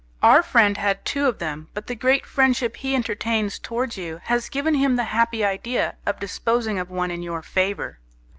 Our friend had two of them, but the great friendship he entertains towards you has given him the happy idea of disposing of one in your favour.